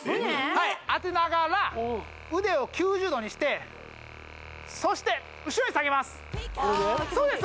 はい当てながら腕を９０度にしてそして後ろへ下げますそうです